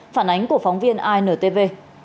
phản ánh của phóng viên intv